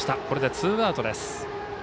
これでツーアウトです。